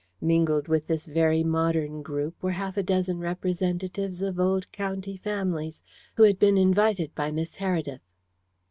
Mingled with this very modern group were half a dozen representatives of old county families, who had been invited by Miss Heredith.